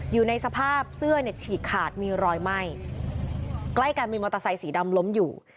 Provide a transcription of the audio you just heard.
อยู่ในสภาพเสื้อเนี่ยฉีกขาดมีรอยไหม้ใกล้กันมีมอเตอร์ไซสีดำล้มอยู่